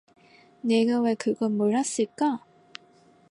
내가 왜 그걸 몰랐을까?